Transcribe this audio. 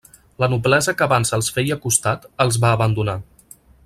La noblesa que abans els feia costat els va abandonar.